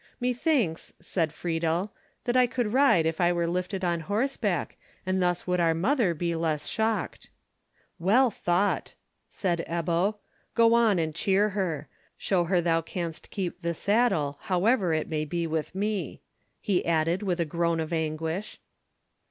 "Methinks," said Friedel, "that I could ride if I were lifted on horseback, and thus would our mother be less shocked." "Well thought," said Ebbo. "Go on and cheer her. Show her thou canst keep the saddle, however it may be with me," he added, with a groan of anguish.